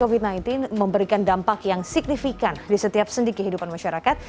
covid sembilan belas memberikan dampak yang signifikan di setiap sendi kehidupan masyarakat